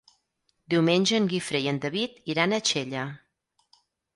Diumenge en Guifré i en David iran a Xella.